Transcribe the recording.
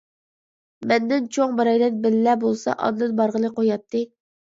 مەندىن چوڭ بىرەيلەن بىللە بولسا ئاندىن بارغىلى قوياتتى.